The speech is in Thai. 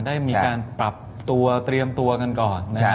ได้มีการปรับตัวเตรียมตัวกันก่อนนะครับ